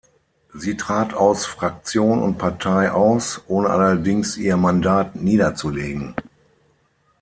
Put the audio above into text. Sie trat aus Fraktion und Partei aus, ohne allerdings ihr Mandat niederzulegen.